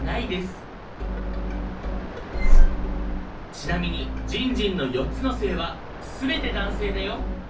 ちなみにじんじんの４つの性は全て男性だよ。